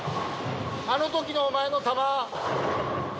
あの時のお前の球！